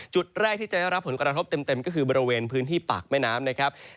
จุดแรกที่จะได้รับผลกระทบเต็มก็คือบริเวณพื้นที่ปากแม่น้ำนะครับ